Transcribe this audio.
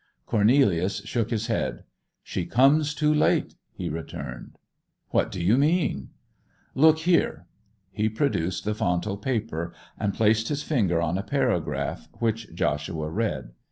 Cornelius shook his head. 'She comes too late!' he returned. 'What do you mean?' 'Look here.' He produced the Fountall paper, and placed his finger on a paragraph, which Joshua read.